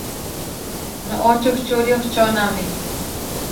Noʼó čuhčuri očóname.